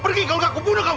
pergi kau atau aku bunuh kau